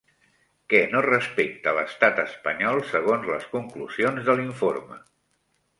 Què no respecta l'estat espanyol segons les conclusions de l'informe?